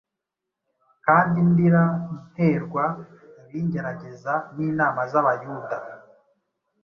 kandi ndira, nterwa ibingerageza n’inama z’Abayuda.